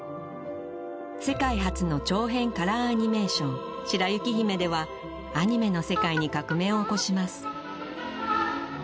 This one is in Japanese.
世界初の長編カラーアニメーション「白雪姫」ではアニメの世界に革命を起こします